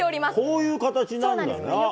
こういう形なんだな。